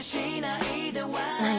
何？